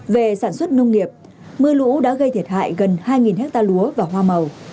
về sản xuất nông nghiệp mưa lũ đã gây thiệt hại gần hai hectare lúa và hoa màu